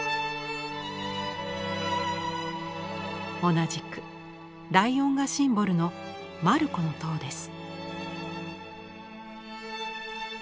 同じくライオンがシンボルのマルコの塔です。